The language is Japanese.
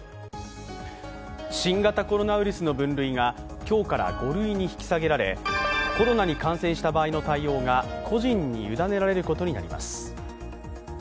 新型コロナウイルスの分類が今日から５類に引き下げられ、コロナに感染した場合の対応が個人に委ねられることになります。